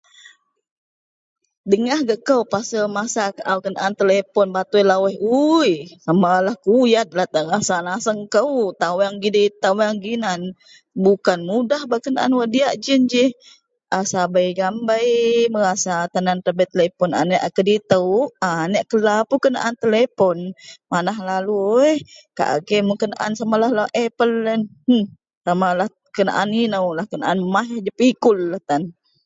Dengah gak kou pasel masa kaau kenaan telipon batui lawuih, uiiiii, samalah kuyadlah tan rasa naseng kou, taweng gidei, taweng ginan. Bukan mudah bak kenaan wak diyak yen giyen ji. A sabei gaan bei merasa tan an tan bei telipon, aneak a keditou, uok a, aneak kela pun kenaan telipon. Manah lalu oiii, kak agei mun kenaan samalah epellah en, heh, samalah kenaan inoulah kenaan maih jepikullah tan.